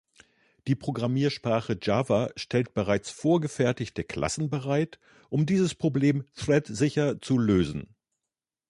Die Programmiersprache Java stellt bereits vorgefertigte Klassen bereit um dieses Problem Thread-sicher zu lösen.